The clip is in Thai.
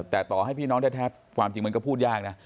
แต่ต่อให้พี่น้องแท้ความจริงมันก็พูดยากนะ